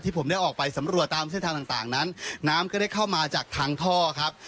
ผมได้ออกไปสำรวจตามเส้นทางต่างนั้นน้ำก็ได้เข้ามาจากทางท่อครับ